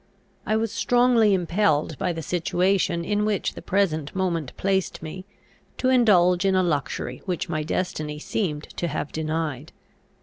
I was strongly impelled, by the situation in which the present moment placed me, to indulge in a luxury which my destiny seemed to have denied.